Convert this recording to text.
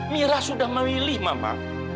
mira sudah memilih mama